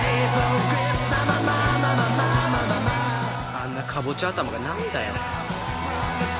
あんなかぼちゃ頭が何だよ